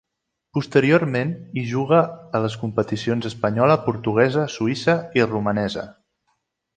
Posteriorment hi juga a les competicions espanyola, portuguesa, suïssa i romanesa.